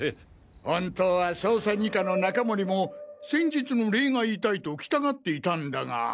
本当は捜査２課の中森も先日の礼が言いたいと来たがっていたんだが。